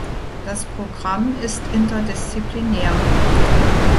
Das Programm ist interdisziplinär.